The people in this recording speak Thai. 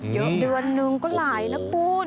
เยอะเดือนหนึ่งก็หลายนะคุณ